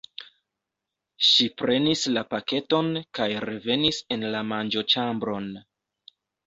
Ŝi prenis la paketon kaj revenis en la manĝoĉambron.